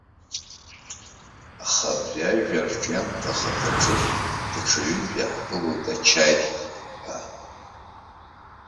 Аха абри ажәа арҿиамҭа ахаҭаҿы даҽа ҩынтә иаҳԥылоит ачаи ҳәа.